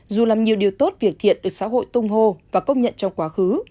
dù làm nhiều điều tốt việc thiện được xã hội tung hô và công nhận trong quá khứ